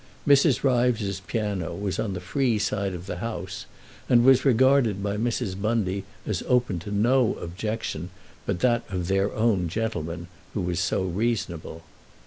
Mrs. Ryves's piano was on the free side of the house and was regarded by Mrs. Bundy as open to no objection but that of their own gentleman, who was so reasonable.